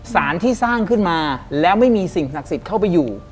สารที่สร้างขึ้นมาแล้วไม่มีสิ่งศักดิ์สิทธิ์เข้าไปอยู่